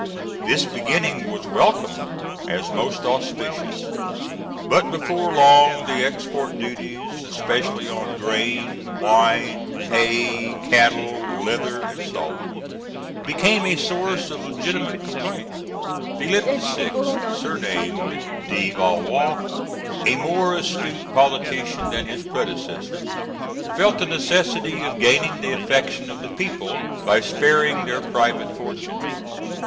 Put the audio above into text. This beginning was welcomed as most auspicious, but before long the export duties, especially on grain, wine, hay, cattle, leather, and salt, became a source of legitimate complaint (Figs. 280 and 281). Philip VI., surnamed de Valois, a more astute politician than his predecessor, felt the necessity of gaining the affections of the people by sparing their private fortunes.